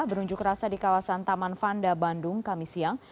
berunjuk rasa di kawasan taman fanda bandung kami siang